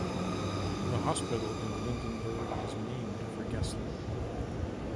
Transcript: The hospital in Lindenberg is named for Gessler.